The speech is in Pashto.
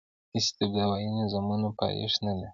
استبدادي نظامونه پایښت نه لري.